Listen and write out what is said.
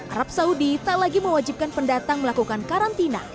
arab saudi tak lagi mewajibkan pendatang melakukan karantina